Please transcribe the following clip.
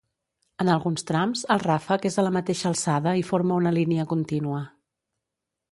En alguns trams el ràfec és a la mateixa alçada i forma una línia contínua.